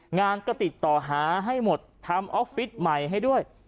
งานก็ติดต่อหาให้หมดทำออฟฟิศใหม่ให้ด้วย